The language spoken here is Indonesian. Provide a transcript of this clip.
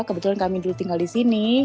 kebetulan kami dulu tinggal di sini